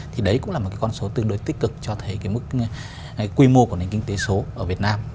thì đấy cũng là một cái con số tương đối tích cực cho thấy cái mức quy mô của nền kinh tế số ở việt nam